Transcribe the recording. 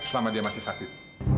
selama dia masih sakit